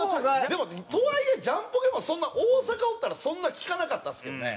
でもとはいえジャンポケもそんな大阪おったらそんな聞かなかったですけどね。